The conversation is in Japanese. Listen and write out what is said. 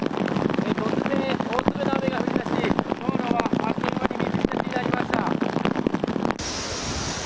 突然、大粒の雨が降り出し、道路はあっという間に水浸しになりました。